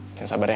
jangan sabar ya